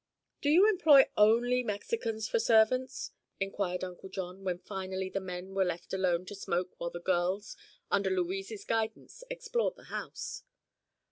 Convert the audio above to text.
"Do you employ only Mexicans for servants?" inquired Uncle John, when finally the men were left alone to smoke while the girls, under Louise's guidance, explored the house.